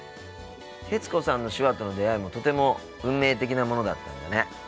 徹子さんの手話との出会いもとても運命的なものだったんだね。